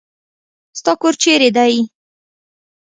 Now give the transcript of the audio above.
ستا کور چیرې دی؟